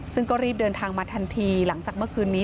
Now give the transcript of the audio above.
ซึ่งก็รีบเดินทางมาทันทีหลังจากเมื่อคืนนี้